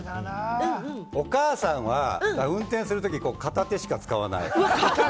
お母さんは運転するとき、片手しか使わない。